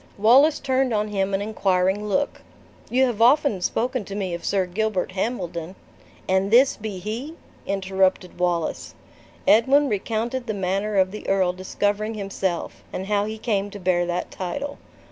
Wallace turned on him an inquiring look. "You have often spoken to me of Sir Gilbert Hambledon " "And this be he!" interrupted Wallace. Edwin recounted the manner of the earl discovering himself, and how he came to bear that title.